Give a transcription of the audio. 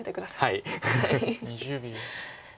はい。